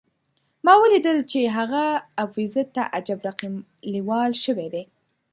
ما ولیدل چې هغه ابوزید ته عجب رقم لېوال شوی دی.